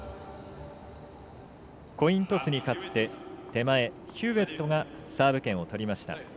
コイントスに勝って、手前のヒューウェットがサーブ権を取りました。